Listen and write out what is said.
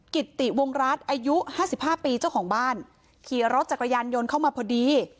กิติวงรัฐอายุ๕๕ปีเจ้าของบ้านขี่รถจักรยานยนต์เข้ามาพอดี